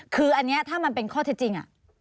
คืออันนี้ถ้ามันเป็นข้อเท็จจริง